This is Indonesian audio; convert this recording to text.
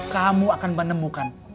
kamu akan menemukan